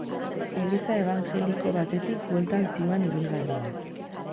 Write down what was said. Eliza ebanjeliko batetik bueltan zihoan ibilgailua.